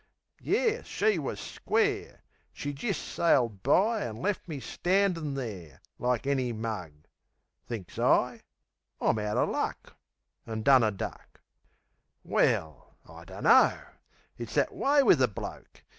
Yes, she was square. She jist sailed by an' lef' me standin' there Like any mug. Thinks I, "I'm out er luck," An' done a duck Well, I dunno. It's that way wiv a bloke.